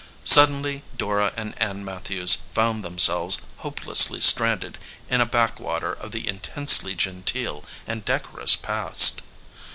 Suddenly Dora and Ann Matthews found them selves hopelessly stranded in a backwater of the intensely genteel and decorous past.